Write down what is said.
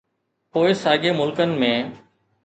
پوء ساڳئي ملڪن ۾.